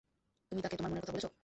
তুমি তাকে তোমার মনের কথা বলেছ?